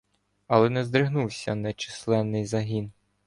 Але не здригнувся нечисленний загін.